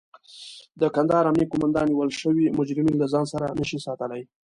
د کندهار امنيه قوماندان نيول شوي مجرمين له ځان سره نشي ساتلای.